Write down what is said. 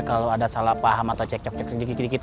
kalo ada salah paham atau cek cok cok dikit dikit